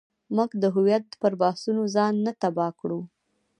موږ د هویت پر بحثونو ځان نه تباه کړو.